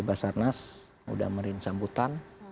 basarnas udah merin sambutan